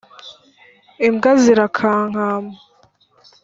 imbwa zirakankama